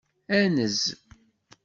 Anez!